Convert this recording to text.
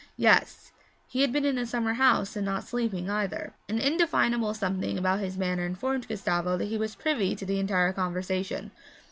Yes, he had been in the summer house, and not sleeping either. An indefinable something about his manner informed Gustavo that he was privy to the entire conversation.